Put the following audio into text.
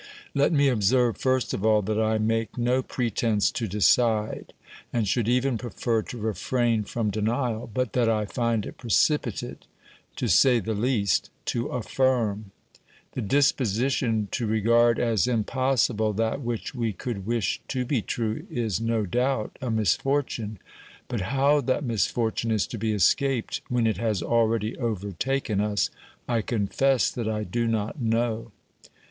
Let me observe first of all that I make no pretence to decide, and should even prefer to refrain from denial, but that I find it precipitate, to say the least, to affirm. The disposition to regard as impossible that which we could wish to be true is no doubt a misfortune, but how that mis fortune is to be escaped when it has already overtaken us I confess that I do not know.